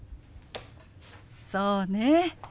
そうね。